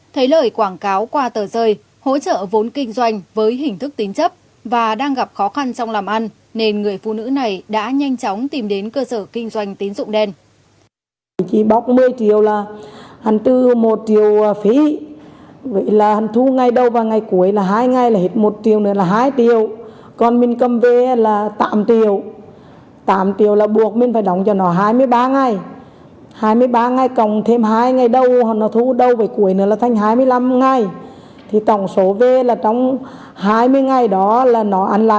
thấy lời quảng cáo qua tờ rơi hỗ trợ vốn kinh doanh với hình thức tín chấp và đang gặp khó khăn trong làm ăn nên người phụ nữ này đã nhanh chóng tìm đến cơ sở kinh doanh tín dụng đen